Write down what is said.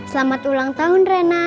selamat ulang tahun reyna